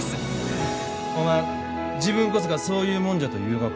おまん自分こそがそういう者じゃと言うがか？